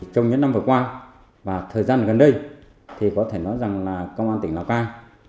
trong những năm vừa qua và thời gian gần đây thì có thể nói rằng là công an tỉnh lào cai